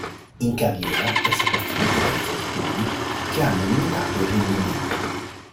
In carriera è stato afflitto da infortuni che hanno limitato il rendimento.